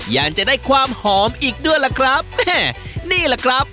ยังจะได้ความหอมอีกด้วยล่ะครับแม่นี่แหละครับ